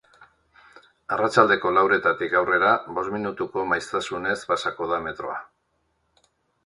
Arratsaldeko lauretatik aurrera bost minutuko maiztasunez pasako da metroa.